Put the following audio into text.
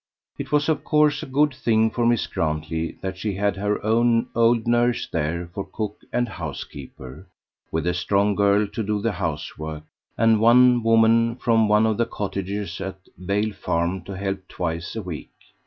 It was of course a good thing for Miss Grantley that she had her own old nurse there for cook and housekeeper, with a strong girl to do the housework, and a woman from one of the cottages at Vale Farm to help twice a week.